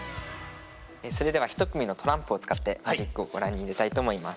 それでは１組のトランプを使ってマジックをご覧に入れたいと思います。